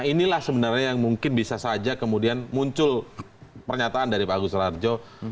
inilah sebenarnya yang mungkin bisa saja kemudian muncul pernyataan dari pak agus rarjo